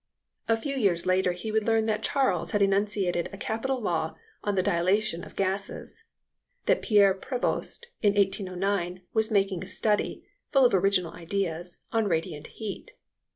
A few years later he would learn that Charles had enunciated a capital law on the dilatation of gases; that Pierre Prevost, in 1809, was making a study, full of original ideas, on radiant heat.